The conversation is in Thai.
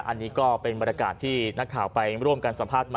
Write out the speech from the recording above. อันนี้ก็เป็นบรรยากาศที่นักข่าวไปร่วมกันสัมภาษณ์มา